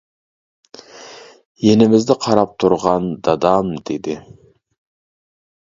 يېنىمىزدا قاراپ تۇرغان دادام دېدى.